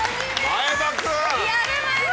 前田君！